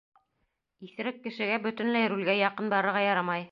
— Иҫерек кешегә бөтөнләй рулгә яҡын барырға ярамай.